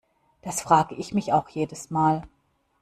Das frage ich mich auch jedes Mal.